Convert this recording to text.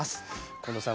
近藤さん